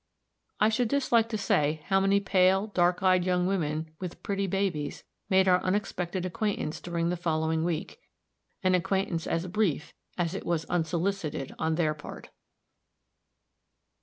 I should dislike to say how many pale, dark eyed young women, with pretty babies, made our unexpected acquaintance during the following week an acquaintance as brief as it was unsolicited on their part.